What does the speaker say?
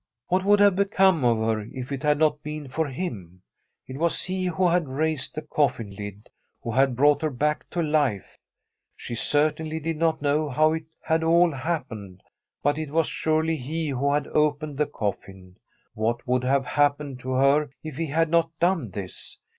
What would have become of her if it had not been for him? It was he who had raised the From A SWEDISH HOMESTEAD cofiin lid, who had brought her back to life. She certainly did not know how it had all hap pened, but it was surely he who had opened the coflin. What would have happened to her if he had not done this?